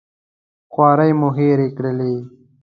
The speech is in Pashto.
خوارۍ مو هېرې کړلې.